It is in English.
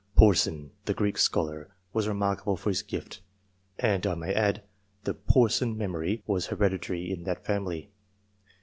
Porson, the Greek scholar, was remarkable for this gift, and, I may add, the "Porson memory" was hereditary in that family.